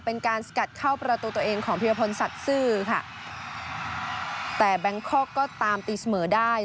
เป็นการสกัดเข้าประตูตัวเองของพิรพลสัตว์ซื่อค่ะแต่แบงคอกก็ตามตีเสมอได้